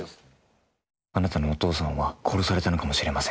「あなたのお父さんは殺されたのかもしれません」